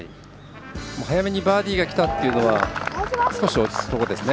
早めにバーディーがきたというのは少し、落ち着くところですね。